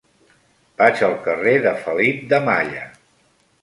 Vaig al carrer de Felip de Malla.